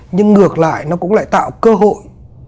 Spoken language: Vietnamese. nhưng ngược lại nó cũng lại tạo cơ hội